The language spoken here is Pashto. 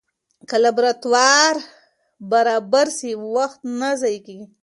که لابراتوار برابر سي، وخت نه ضایع کېږي.